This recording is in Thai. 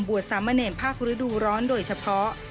บวชสามเมินภาพฤดูร้อนโดยเฉพาะ